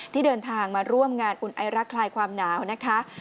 ที่เดินทางมาร่วมงานอุ่นไอรักคลายความหนาวนะคะ